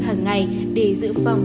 hằng ngày để giữ phòng